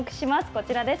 こちらです。